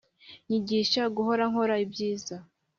Nyigisha guhora nkora ibyiza